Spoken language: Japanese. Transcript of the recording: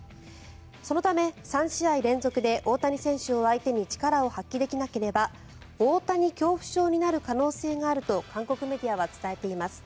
そのため、３試合連続で大谷選手を相手に力を発揮できなければ大谷恐怖症になる可能性があると韓国メディアは報じています。